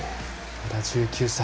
まだ１９歳。